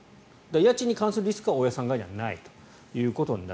家賃に関するリスクは大家さん側にはないという。